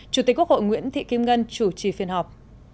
chủ tịch quốc hội nguyễn thị kim ngân chủ trì phiên họp